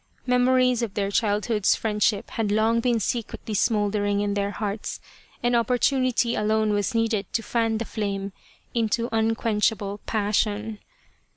Memories of their childhood's friendship had long been secretly smouldering in their hearts, and oppor tunity alone was needed to fan the flame into un quenchable passion.